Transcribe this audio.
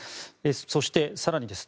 そして、更にです。